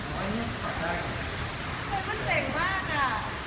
มันเจ๋งมากอ่ะ